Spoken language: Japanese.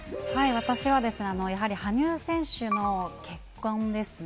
私は、やはり羽生選手の結婚ですね。